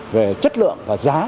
về chất lượng và giá